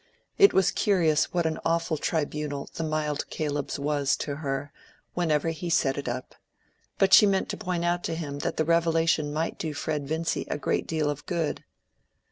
It was curious what an awful tribunal the mild Caleb's was to her, whenever he set it up. But she meant to point out to him that the revelation might do Fred Vincy a great deal of good.